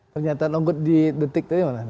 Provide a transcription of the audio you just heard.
pernyataan onggot di detik tadi mana